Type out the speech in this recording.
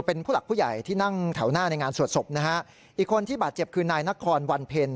เป็นผู้หลักผู้ใหญ่ที่นั่งแถวหน้าในงานสวดศพนะฮะอีกคนที่บาดเจ็บคือนายนครวันเพ็ญ